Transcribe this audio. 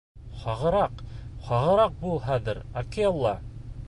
— Һағыраҡ, һағыраҡ бул хәҙер, Акела!